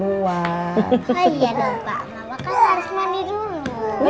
oh iya dong pak mama kan harus mandi dulu